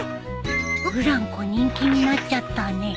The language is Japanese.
ブランコ人気になっちゃったね